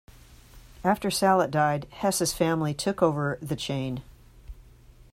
After Salit died, Hess's family took over the chain.